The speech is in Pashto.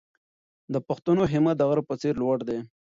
د پښتنو همت د غره په څېر لوړ و.